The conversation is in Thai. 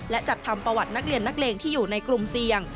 และจัดทำประวัตินักเรียนนักเลงที่อยู่ในกลุ่มเสี่ยง